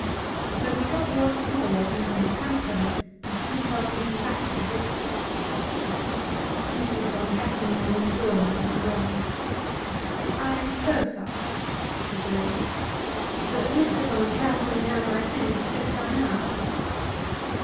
So he got once more into his hansom and had himself taken back to Brook Street. Mrs. Boncassen was in the drawing room alone. "I am so sorry," said the lady, "but Mr. Boncassen has, I think, just gone out."